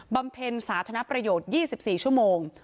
ำเพ็ญสาธารณประโยชน์๒๔ชั่วโมง